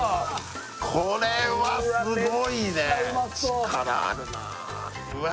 これはすごいね力あるなうわ